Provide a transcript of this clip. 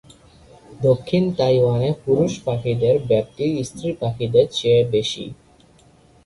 দক্ষিণ তাইওয়ানে, পুরুষ পাখিদের ব্যাপ্তি স্ত্রী পাখিদের চেয়ে বেশি।